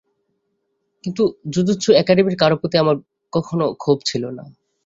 কিন্তু জুজুৎসু একাডেমীর কারো প্রতি আমার কখনো ক্ষোভ ছিলো না।